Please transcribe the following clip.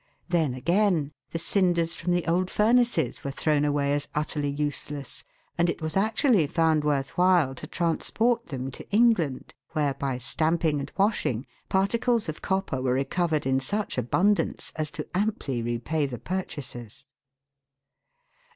Then, again, the cinders from the old furnaces were thrown away as utterly useless, and it was actually found worth while to transport them to England, where, by stamping and washing, particles of copper were recovered in such abundance as to amply repay the purchasers.